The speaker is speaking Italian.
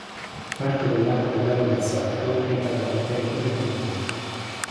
Parte delle acque del lago del Salto, ricadono nel territorio comunale.